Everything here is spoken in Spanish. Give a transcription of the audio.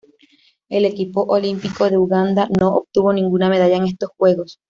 El equipo olímpico de Uganda no obtuvo ninguna medalla en estos Juegos.